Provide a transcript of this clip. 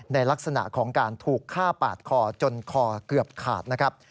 ในลักษณะของการถูกฆ่าปาดคอจนคอเกือบขาดนะครับ